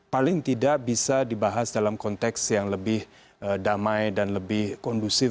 paling tidak bisa dibahas dalam konteks yang lebih damai dan lebih kondusif